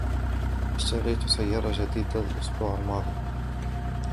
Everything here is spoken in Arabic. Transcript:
اشتريت سيارة جديدة الاسبوع الماضي.